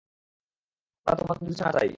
আমরা তোমার কুকুরছানা চাই।